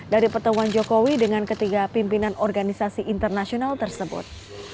dari pertemuan jokowi dengan ketiga pimpinan organisasi internasional tersebut